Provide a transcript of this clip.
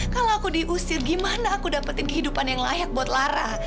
kalau aku diusir gimana aku dapetin kehidupan yang layak buat lara